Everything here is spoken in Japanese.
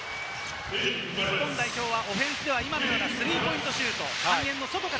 日本代表はオフェンスではスリーポイントシュート。